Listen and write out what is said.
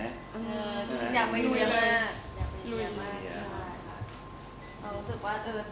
อยากไปอินเดียมาก